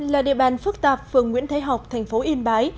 là địa bàn phức tạp phường nguyễn thái học thành phố yên bái